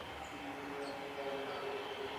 এতদিন আপনার সাথে সাক্ষাতের সুযোগ হয়নি।